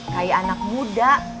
kayak anak muda